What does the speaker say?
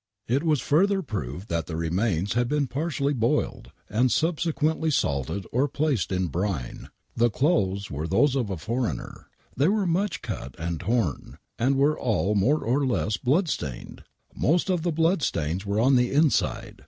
It was further proved that the remains had been partially 3 ;■'•'■ n ,1 ''j WAIN WRIGHT MURDER 13 .(• I >■: k . boiled, and subsequently salted or placed in brine. The clothes were those of a foreigner. They were much cut and torn, and were all more or less blood stained ! Most of the blood stains were in the inside.